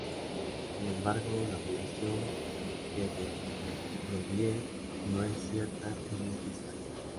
Sin embargo, la relación de De Broglie no es cierta en un cristal.